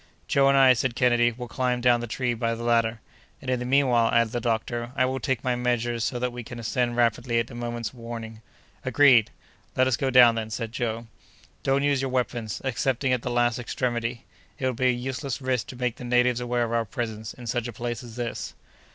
"Joe and I," said Kennedy, "will climb down the tree by the ladder." "And, in the meanwhile," added the doctor, "I will take my measures so that we can ascend rapidly at a moment's warning." "Agreed!" "Let us go down, then!" said Joe. "Don't use your weapons, excepting at the last extremity! It would be a useless risk to make the natives aware of our presence in such a place as this."